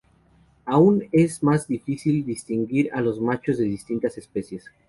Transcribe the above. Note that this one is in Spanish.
Aún es más difícil distinguir a los machos de distintas especies.